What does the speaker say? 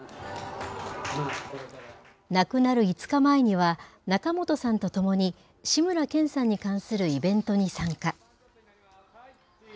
亡くなる５日前には、仲本さんと共に、志村けんさんに関するイベントに参加。